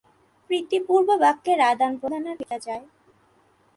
প্রীতিপূর্ণ বাক্যের আদানপ্রদান আর কতক্ষণ রেশ রাখিয়া যায়?